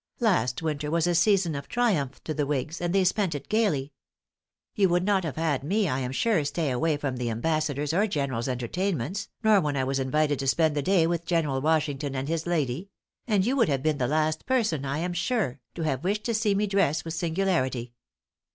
Last winter was a season of triumph to the whigs, and they spent it gaily. You would not have had me, I am sure, stay away from the Ambassador's or General's entertainments, nor when I was invited to spend the day with General Washington and his lady; and you would have been the last person, I am sure, to have wished to see me dressed with singularity.